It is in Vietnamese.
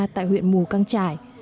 tại huyện mù căng trải